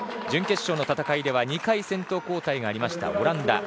準決勝の戦いでは２回先頭交代があったオランダ。